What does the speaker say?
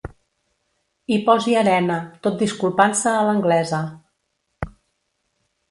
Hi posi arena, tot disculpant-se a l'anglesa.